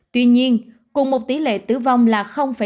tuy nhiên cùng một tỷ lệ tử vong là bốn